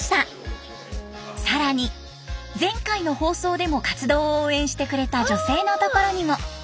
更に前回の放送でも活動を応援してくれた女性の所にも。